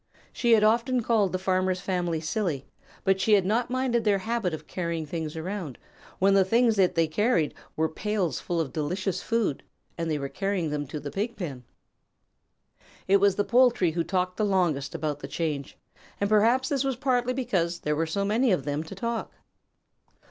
She had often called the Farmer's family silly, but she had not minded their habit of carrying things around, when the things that they carried were pails full of delicious food and they were carrying them to the Pig pen. It was the poultry who talked the longest about the change, and perhaps this was partly because there were so many of them to talk.